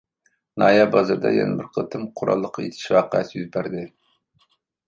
ناھىيە بازىرىدا يەنە بىر قېتىم قوراللىق ئېتىش ۋەقەسى يۈز بەردى.